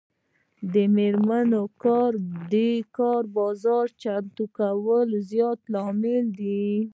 د میرمنو کار د کار بازار چمتووالي زیاتولو لامل دی.